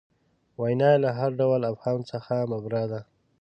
وینا یې له هر ډول ابهام څخه مبرا ده.